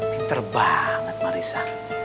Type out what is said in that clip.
pinter banget marissa